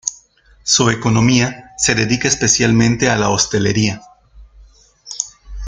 Su economía se dedica especialmente a la hostelería.